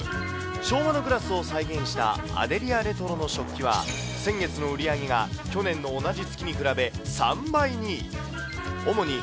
昭和のグラスを再現したアデリアレトロの食器は、先月の売り上げが去年の同じ月に比べ、３倍に。